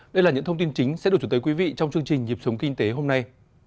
đây là những thông tin chính sẽ được chủ tới quý vị trong chương trình nhịp sống kinh tế hôm nay